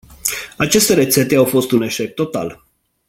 Aceste rețete au fost un eșec total.